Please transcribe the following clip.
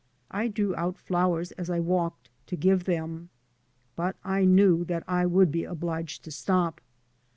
I drew out flowers as I walked, to give them. But I knew that I would be obliged to stop.